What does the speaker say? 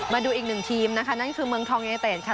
มาดูอีกหนึ่งทีมนะคะนั่นคือเมืองทองยูเนเต็ดค่ะ